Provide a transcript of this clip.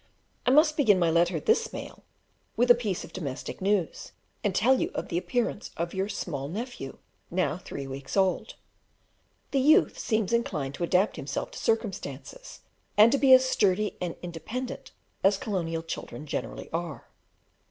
I must begin my letter this mail with a piece of domestic news, and tell you of the appearance of your small nephew, now three weeks old. The youth seems inclined to adapt himself to circumstances, and to be as sturdy and independent as colonial children generally are.